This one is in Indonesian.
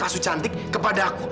kasuh cantik kepada aku